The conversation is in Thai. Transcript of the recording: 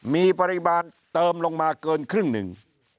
มีปริมาณเติมลงมาเกินครึ่งหนึ่ง